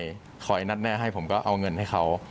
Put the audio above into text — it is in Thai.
ใครเขาผมช่วยคอยนัทแน่ให้ผมก็เอาเงินให้เขา